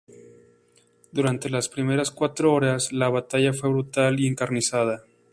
Durante las primeras cuatro horas, la batalla fue brutal y encarnizada.